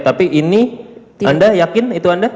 tapi ini anda yakin itu anda